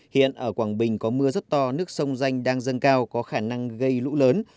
hiện ở quảng bình có mưa rất to nước sông danh đang dâng cao có khả năng gây lũ lớn